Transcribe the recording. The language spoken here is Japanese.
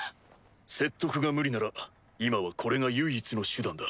説得が無理なら今はこれが唯一の手段だ。